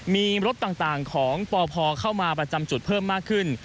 มีรถต่างของปพเข้ามาประจำจุดเพิ่มมากขึ้น